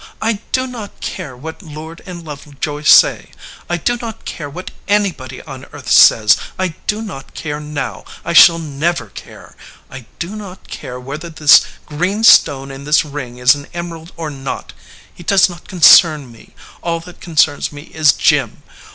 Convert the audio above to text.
I do not care what Lord & Lovejoy say; I do not care wkat anybody on earth says ; I do not care now ; I shall never care. I do not care whether this green stone in this ring is an emerald or not. It does not concern me. All that concerns me is Jim.